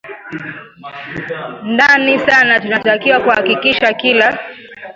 ndani sana tunatakiwa kuhakikisha kila